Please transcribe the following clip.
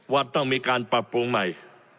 ว่าต้องมีการปรับปรุงใหม่